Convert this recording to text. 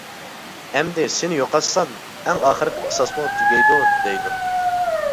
ئەمدى سېنى يوقاتسام ئەڭ ئاخىرقى قىساسمۇ تۈگەيدۇ دەيدۇ.